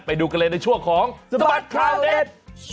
ไปดูกันเลยในช่วงของสบัดข่าวเด็ด